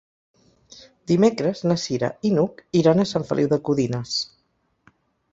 Dimecres na Cira i n'Hug iran a Sant Feliu de Codines.